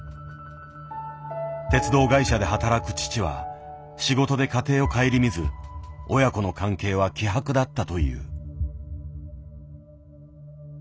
鉄道会社で働く父は仕事で家庭を顧みず親子の関係は希薄だったという。